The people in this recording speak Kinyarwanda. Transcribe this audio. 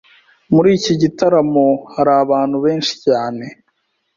Muri iki gitaramo hari abantu benshi cyane.